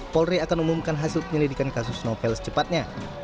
polri akan umumkan hasil penyelidikan kasus novel secepatnya